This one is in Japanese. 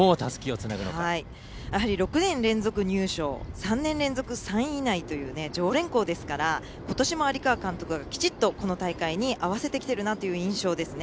３年連続３位以内という常連校ですからことしも監督がきちっとこの大会に合わせてきてるなという印象ですね。